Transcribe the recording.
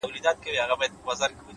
عاجزي د شخصیت ښکلی عطر دی’